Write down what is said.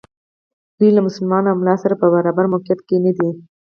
دوی له مسلمان او ملا سره په برابر موقعیت کې ندي.